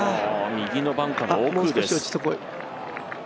右のバンカーの奥です。